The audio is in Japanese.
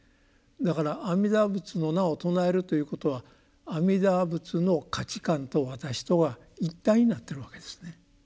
だから阿弥陀仏の名を称えるということは阿弥陀仏の価値観と私とが一体になってるわけですね。